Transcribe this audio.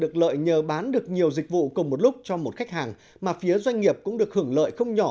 các doanh nghiệp cũng được hưởng lợi không nhỏ